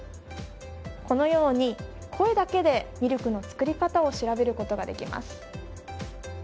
このように声だけでミルクの作り方を調べることができます。